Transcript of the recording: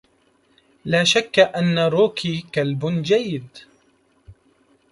لا شكّ أنّ روكي كلب جيّد.